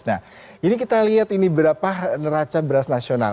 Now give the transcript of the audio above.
nah ini kita lihat ini berapa neraca beras nasional